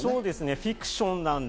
フィクションなので。